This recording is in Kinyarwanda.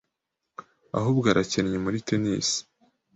Ahubwo arakennye muri tennis.